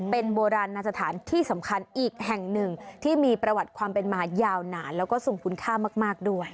เป็นโบราณสถานที่สำคัญอีกแห่งหนึ่งที่มีประวัติความเป็นมายาวนานแล้วก็ส่งคุณค่ามากด้วย